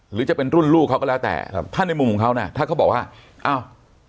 หรือจะเป็นรุ่นลูกเขาก็แล้วแต่ครับถ้าในมุมของเขานะถ้าเขาบอกว่าอ้าว